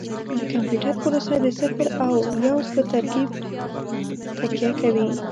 د کمپیوټر پروسه د صفر او یو په ترکیب تکیه کوي.